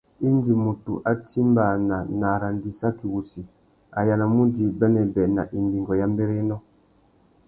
Indi mutu a timbāna nà arandissaki wussi, a yānamú udjï bênêbê nà imbîngô ya mbérénô.